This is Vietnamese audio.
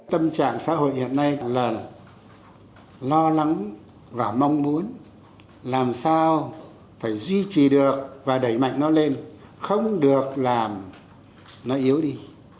tâm trạng xã hội hiện nay là lo lắng và mong muốn làm sao phải duy trì được và đẩy mạnh nó lên không được làm nó yếu đi